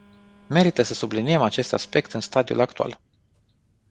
Merită să subliniem acest aspect în stadiul actual.